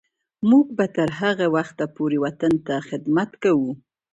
موږ به تر هغه وخته پورې وطن ته خدمت کوو.